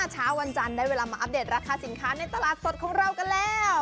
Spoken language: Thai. เช้าวันจันทร์ได้เวลามาอัปเดตราคาสินค้าในตลาดสดของเรากันแล้ว